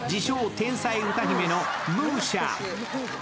・天才歌姫のＭＵＳＩＡ。